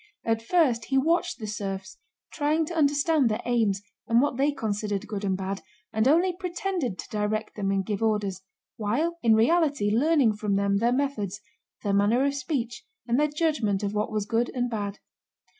At first he watched the serfs, trying to understand their aims and what they considered good and bad, and only pretended to direct them and give orders while in reality learning from them their methods, their manner of speech, and their judgment of what was good and bad.